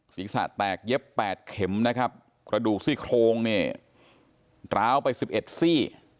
ศรีษะแตกเย็บ๘เข็มระดูกซี่โครงร้าวไป๑๑ซี่